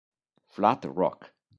Flat Rock